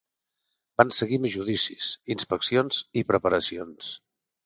Van seguir més judicis, inspeccions i preparacions.